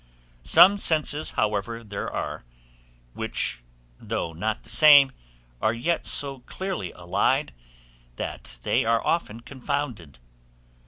Some senses, however, there are, which, though not the same, are yet so nearly allied, that they are often confounded.